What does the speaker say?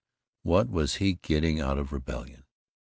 What was he getting out of rebellion?